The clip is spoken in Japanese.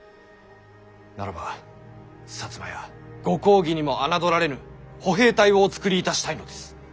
ならば摩やご公儀にも侮られぬ歩兵隊をお作りいたしたいのです。